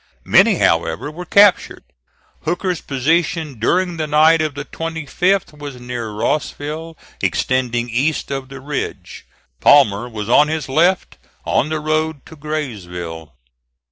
Many, however, were captured. Hooker's position during the night of the 25th was near Rossville, extending east of the ridge. Palmer was on his left, on the road to Graysville.